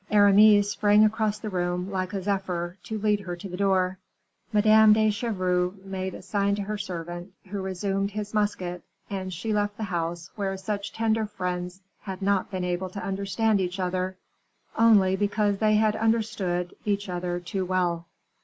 Aramis sprang across the room, like a zephyr, to lead her to the door. Madame de Chevreuse made a sign to her servant, who resumed his musket, and she left the house where such tender friends had not been able to understand each other only because they had understood each other too well.